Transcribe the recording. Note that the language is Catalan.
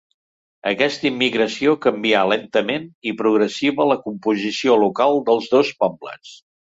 Aquesta immigració canvià lentament i progressiva la composició local dels dos pobles.